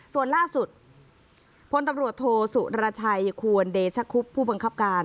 ส่วนล่าสุดพลตำรวจโทสุรชัยควรเดชคุบผู้บังคับการ